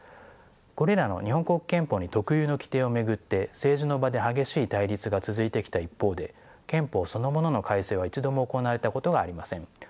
これらの日本国憲法に特有の規定を巡って政治の場で激しい対立が続いてきた一方で憲法そのものの改正は一度も行われたことがありません。